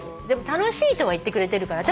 楽しいとは言ってくれてるから。